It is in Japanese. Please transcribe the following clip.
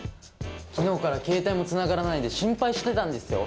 昨日からケータイもつながらないんで心配してたんですよ。